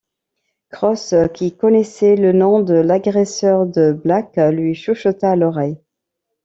Cross qui connaissait le nom de l'agresseur de Black lui chuchota à l'oreille.